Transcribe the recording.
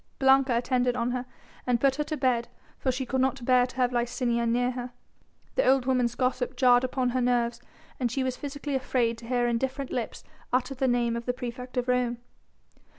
Blanca attended on her and put her to bed for she could not bear to have Licinia near her. The old woman's gossip jarred upon her nerves and she was physically afraid to hear indifferent lips utter the name of the praefect of Rome.